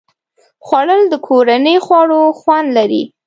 خوړل د کورني خواړو خوند لري